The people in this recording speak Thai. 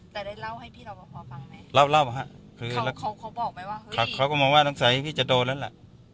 พอฟังไหมเขาบอกไหมว่าเขาก็บอกว่าต้องใส่ให้พี่จะโดนแล้วแหละ